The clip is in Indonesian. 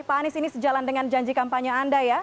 pak anies ini sejalan dengan janji kampanye anda ya